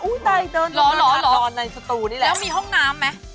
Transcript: ตายเดินล้อเหรอนอนในสตูนี่แหละแล้วมีห้องน้ำไหม